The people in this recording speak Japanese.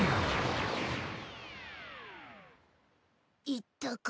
行ったか？